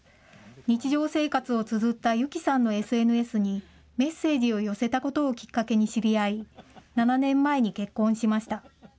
日常生活をつづった有希さんのＳＮＳにメッセージを寄せたことをきっかけに知り合い、７年前に結婚しました。